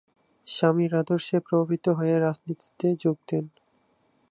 স্বামীর আদর্শে প্রভাবিত হয়ে রাজনীতিতে যোগ দেন।